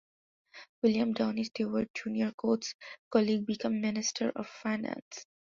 William Downie Stewart, Junior Coates' colleague, became Minister of Finance.